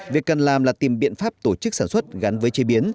việc cần làm là tìm biện pháp tổ chức sản xuất gắn với chế biến